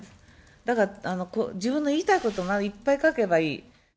だから、自分の言いたいことをいっぱい書けばいい。